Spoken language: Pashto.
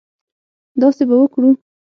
داسې به وکړو.